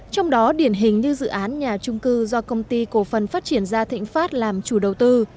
trong đó điển hình như dự án nhà trung cư do công ty cổ phần phát triển gia thịnh pháp làm chủ đầu tư